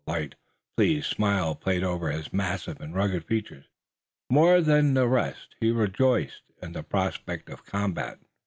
A light, pleased smile played over his massive and rugged features. More than the rest he rejoiced in the prospect of combat.